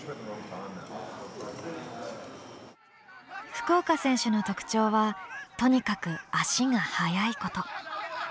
福岡選手の特長はとにかく足が速いこと。